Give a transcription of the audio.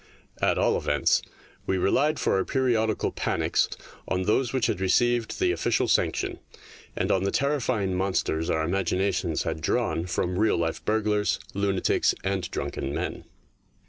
At all events, we relied for our periodical panics on those which had received the official sanction, and on the terrifying monsters our imaginations had drawn from real life burglars, lunatics, and drunken men.